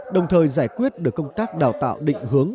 đồng thời giải quyết được công tác đào tạo định hướng